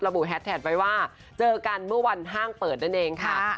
บุแฮดแท็กไว้ว่าเจอกันเมื่อวันห้างเปิดนั่นเองค่ะ